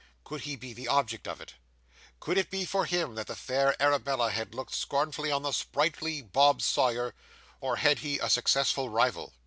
Could he be the object of it? Could it be for him that the fair Arabella had looked scornfully on the sprightly Bob Sawyer, or had he a successful rival?